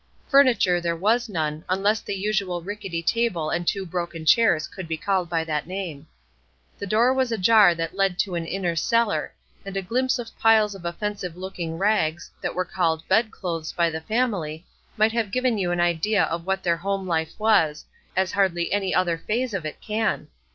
Furniture there was none, unless the usual rickety table and two broken chairs could be called by that name. A door was ajar that led into an inner cellar, and a glimpse of piles of offensive looking rags, that were called "bed clothes" by the family, might have given you an idea of what their home life was, as hardly any other phase of it can.